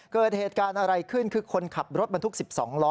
เกิดเหตุการณ์อะไรขึ้นคือคนขับรถบรรทุก๑๒ล้อ